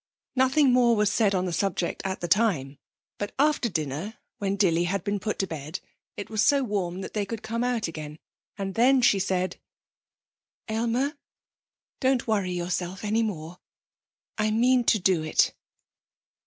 Nothing more was said on the subject at the time, but after dinner, when Dilly had been put to bed, it was so warm that they could come out again, and then she said: 'Aylmer, don't worry yourself any more. I mean to do it.'